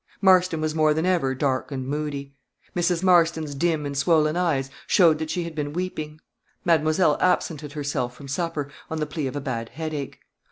Marston was more than ever dark and moody. Mrs. Marston's dimmed and swollen eyes showed that she had been weeping. Mademoiselle absented herself from supper, on the plea of a bad headache.